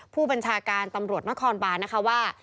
ผู้บัญชาการนครบอนฐว่า